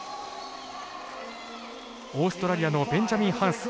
オーストラリアのベンジャミン・ハンス。